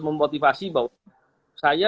memotivasi bahwa saya